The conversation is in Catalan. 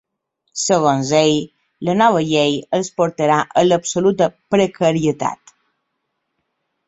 Segons ell, la nova llei els portarà a “l’absoluta precarietat”.